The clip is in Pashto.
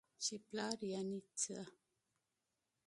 چې پلار يعنې څه؟؟!